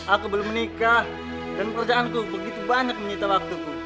aku belum menikah dan pekerjaanku begitu banyak menyita waktuku